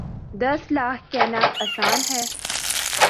دس لاکھ کہنا آسان ہے۔